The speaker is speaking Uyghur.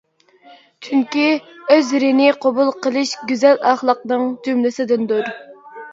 چۈنكى ئۆزرىنى قوبۇل قىلىش گۈزەل ئەخلاقنىڭ جۈملىسىدىندۇر.